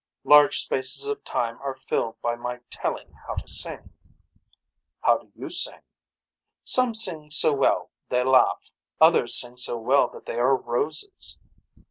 Large spaces of time are filled by my telling how to sing. How do you sing. Some sing so well they laugh. Others sing so well that they are roses.